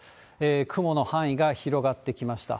雲の範囲が広がってきました。